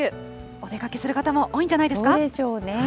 お出かけする方も多いんじゃないそうでしょうね。